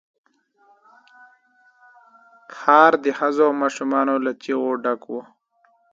ښار د ښځو او ماشومان له چيغو ډک وو.